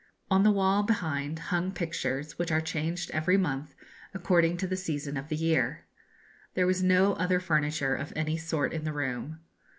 On the wall behind hung pictures, which are changed every month, according to the season of the year. There was no other furniture of any sort in the room.